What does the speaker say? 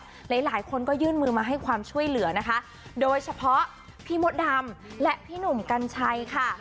หลายหลายคนก็ยื่นมือมาให้ความช่วยเหลือนะคะโดยเฉพาะพี่มดดำและพี่หนุ่มกัญชัยค่ะ